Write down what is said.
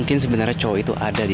gue pasti kedengaran buat deso